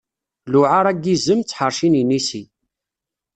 Luɛara n yizem, d tḥerci n yinisi.